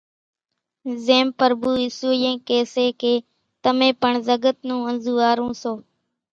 زيم پرڀُو اِيسُوئين ڪي سي ڪي تمين پڻ زڳت نون انزوئارون سو